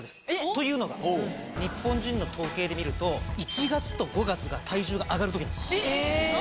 日本人の統計で見ると１月と５月が体重が上がる時なんです。